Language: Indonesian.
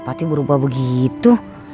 sifatnya berubah begitu